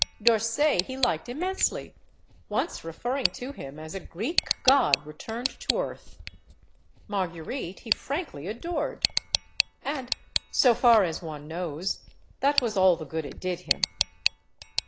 D'Orsay he liked immensely, once referring to him as "a Greek god returned to earth." Marguerite he frankly adored. And so far as one knows that was all the good it did him.